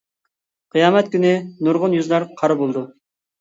قىيامەت كۈنى نۇرغۇن يۈزلەر قارا بولىدۇ.